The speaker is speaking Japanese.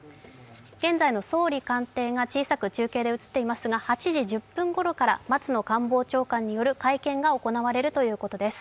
現在の総理官邸が小さく中継で映っていますが８時１０分ごろから、松野官房長官による会見が行われるということです。